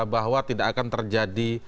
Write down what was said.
bahwa tidak akan terjadi